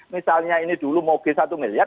misalnya ini dulu mogil satu miliar